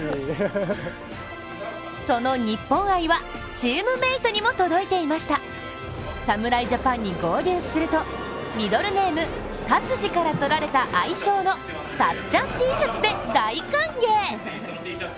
その日本愛はチームメートにも届いていました侍ジャパンに合流するとミドルネーム・タツジからとられた愛称のたっちゃんＴシャツで大歓迎。